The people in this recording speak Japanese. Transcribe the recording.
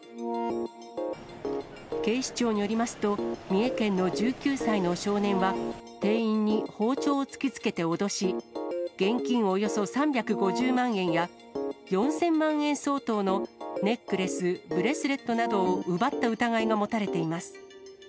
警視庁によりますと、三重県の１９歳の少年は、店員に包丁を突きつけて脅し、現金およそ３５０万円や、４０００万円相当のネックレス、ブレスレットなどを奪った疑いが持たれています。